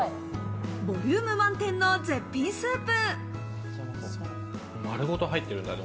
ボリューム満点の絶品スープ。